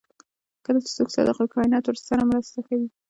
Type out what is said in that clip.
کله چې څوک صادق وي کائنات ورسره مرسته کوي.